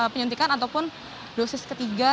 penyuntikan ataupun dosis ketiga